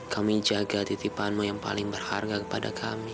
kami jaga titipanmu yang paling berharga kepada kami